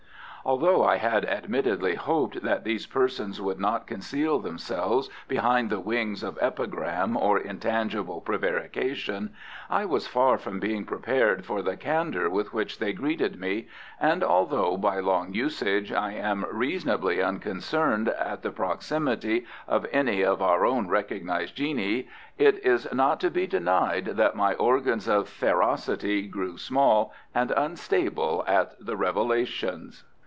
Although I had admittedly hoped that these persons would not conceal themselves behind the wings of epigram or intangible prevarication, I was far from being prepared for the candour with which they greeted me, and although by long usage I am reasonably unconcerned at the proximity of any of our own recognised genii, it is not to be denied that my organs of ferocity grew small and unstable at the revelations.